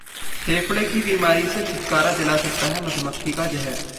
फेफड़े की बीमारी से छुटकारा दिला सकता है मधुमक्खी का जहर